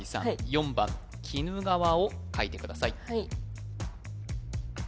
４番きぬがわを書いてください